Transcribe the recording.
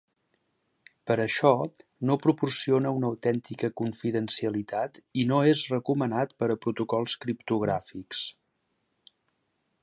Per això, no proporciona una autèntica confidencialitat i no és recomanat per a protocols criptogràfics.